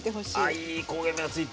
あいい焦げ目がついて。